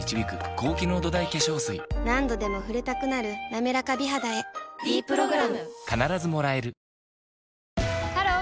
何度でも触れたくなる「なめらか美肌」へ「ｄプログラム」ハロー！